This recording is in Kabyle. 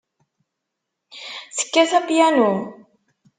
Tekkat apyanu?